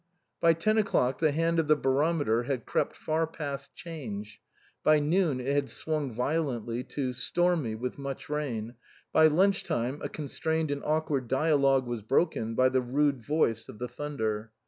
By ten o'clock the hand of the barometer had crept far past " Change "; by noon it had swung violently to " Stormy, with much rain "; by lunch time a constrained and awkward dialogue was broken by the rude voice of the thunder.